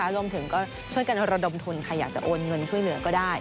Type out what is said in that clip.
รวมถึงก็ช่วยกันระดมทุนใครอยากจะโอนเงินช่วยเหลือก็ได้